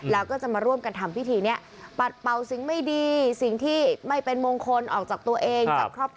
แล้วก็จะมาร่วมกันทำพิธีนี้ปัดเป่าสิ่งไม่ดีสิ่งที่ไม่เป็นมงคลออกจากตัวเองจากครอบครัว